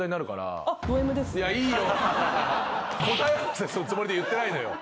答えさすつもりで言ってないのよ。